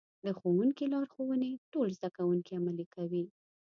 د ښوونکي لارښوونې ټول زده کوونکي عملي کوي.